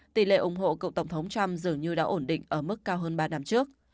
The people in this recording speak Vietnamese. tỷ lệ ủng hộ cựu tổng thống trump dường như đã ổn định ở mức cao hơn ba năm trước